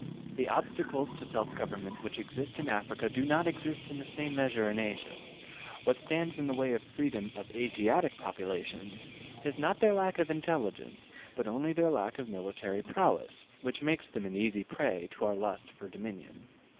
The obstacles to self government which exist in Africa do not exist in the same measure in Asia. What stands in the way of freedom of Asiatic populations is not their lack of intelligence, but only their lack of military prowess, which makes them an easy prey to our lust for dominion.